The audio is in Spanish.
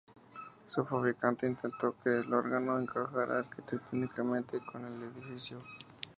Su fabricante intentó que el órgano encajara arquitectónicamente con el edificio.